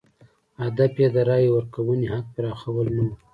هدف یې د رایې ورکونې حق پراخوال نه و.